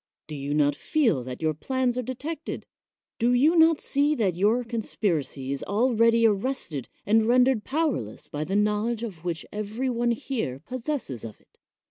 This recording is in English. Do you not feel that your plans are detected? Do you not see that your conspiracy is already arrested and rendered powerless by the knowledge which every one here possesses of it?